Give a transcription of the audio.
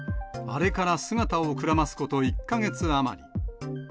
あれから姿をくらますこと１か月余り。